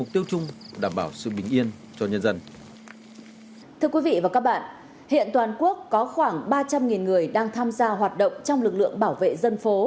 thưa quý vị và các bạn hiện toàn quốc có khoảng ba trăm linh người đang tham gia hoạt động trong lực lượng bảo vệ dân phố